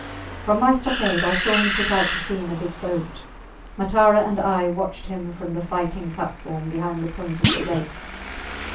From my stockade I saw him put out to sea in a big boat. Matara and I watched him from the fighting platform behind the pointed stakes.